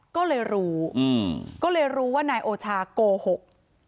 ก็เลยรู้ก็เลยรู้ว่านายโอชาโกหก